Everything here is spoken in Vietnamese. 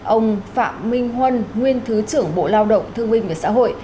ông phạm minh huân nguyên thứ trưởng bộ lao động thương minh và xã hội